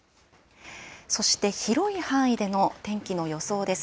そして、広い範囲での天気の予想です。